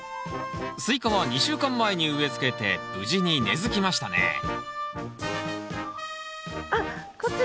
スイカは２週間前に植えつけて無事に根づきましたねあっこっち